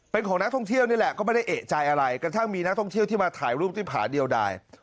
เป็นของนักท่องเที่ยวนี่แหละก็ไม่ได้เอกใจอะไรกระทั่งมีนักท่องเที่ยวที่มาถ่ายรูปที่ผาเดียวได้